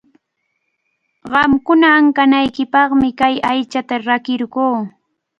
Qamkuna kankanaykipaqmi kay aychata rakirquu.